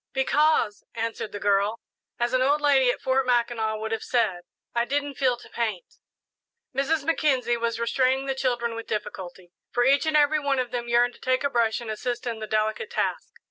"Because," answered the girl, "as an old lady at Fort Mackinac would have said, I didn't 'feel to paint.'" Mrs. Mackenzie was restraining the children with difficulty, for each and every one of them yearned to take a brush and assist in the delicate task.